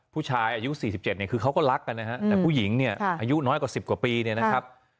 ผู้ชายอายุ๔๗เนี่ยคือเขาก็รักกันนะฮะแต่ผู้หญิงเนี่ยอายุน้อยกว่า๑๐กว่าปีเนี่ยนะครับ